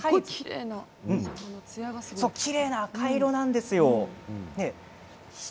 きれいな赤い色なんですよ。